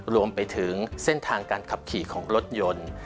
รวมไปถึงเส้นทางการขับขี่ของรถยนต์